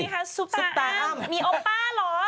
ไงคะสุปตามีออปป้าเหรอ